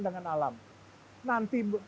dengan alam nanti